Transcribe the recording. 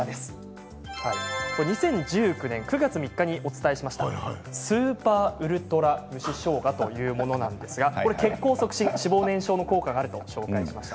２０１９年９月３日にお伝えしましたスーパーウルトラ蒸ししょうがというものなんですが血行促進、脂肪燃焼の効果があると紹介しました。